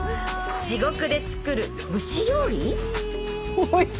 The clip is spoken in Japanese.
地獄で作る蒸し料理？